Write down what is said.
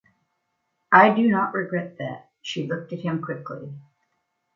“I do not regret that.” She looked at him quickly.